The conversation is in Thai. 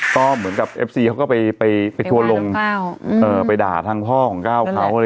ก็เหมือนกับเอฟซีเขาก็ไปทัวร์ลงไปด่าทางพ่อของก้าวเขา